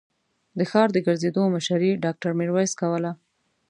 د ښار د ګرځېدو مشري ډاکټر ميرويس کوله.